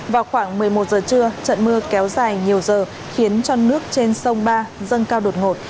vào khoảng một mươi một giờ trưa trận mưa kéo dài nhiều giờ khiến cho nước trên sông ba dâng cao đột ngột